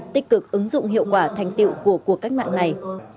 tích cực ứng dụng hiệu quả thành tiệu của cuộc cách mạng này